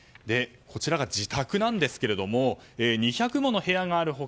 こちらが自宅なんですが２００もの部屋がある他